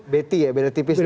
beda tipis ya